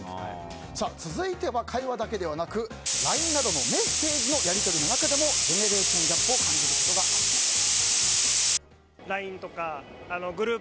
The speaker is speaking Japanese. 続いては、会話だけではなくＬＩＮＥなどのメッセージのやり取りの中でもジェネレーションギャップを感じることがあるようです。